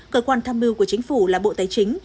cơ quan tham mưu của chính phủ là bộ tài chính